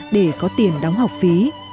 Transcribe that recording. để có tiền đóng học phí